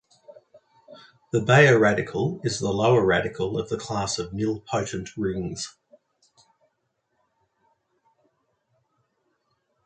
The Baer radical is the lower radical of the class of nilpotent rings.